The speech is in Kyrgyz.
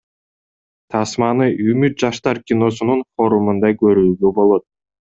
Тасманы Үмүт жаштар киносунун форумунда көрүүгө болот.